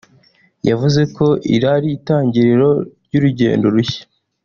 yavuze ko iri ari itangiriro ry’urugendo rushya